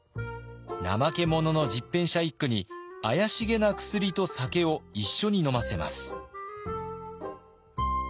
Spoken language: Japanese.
怠け者の十返舎一九に怪しげな薬と酒を一緒に飲ませます。